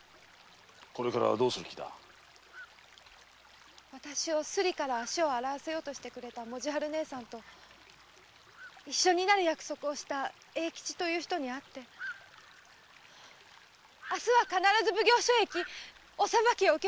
これからどうする気だ？あたしをスリから足を洗わせようとしてくれた文字春ねえさんと一緒になる約束をした栄吉という人に会って明日は必ず奉行所へ行きお裁きを受けます。